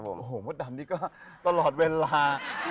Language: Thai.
โอ้โหมดดำนี่ก็ตลอดเวลา